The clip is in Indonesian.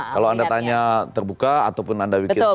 kalau anda tanya terbuka ataupun anda bikin sepuluh nama